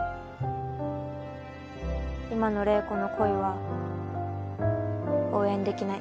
今の怜子の恋は応援できない。